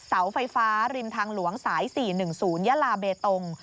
เสาไฟฟ้าริมทางหลวงสาย๔๑๐ยาลาเบตง